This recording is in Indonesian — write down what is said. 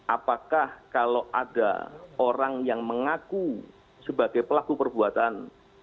apakah kalau ada orang yang mengaku sebagai pelaku perbuatan